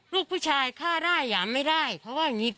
ลาดมอเตอร์ไซ